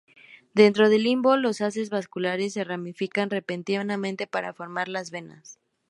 Dentro del limbo, los haces vasculares se ramifican repetidamente para formar las venas.